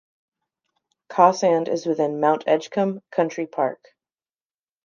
Cawsand is within Mount Edgcumbe Country Park.